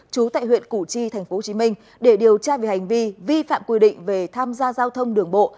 chú tại huyện củ chi tp hcm để điều tra về hành vi vi phạm quy định về tham gia giao thông đường bộ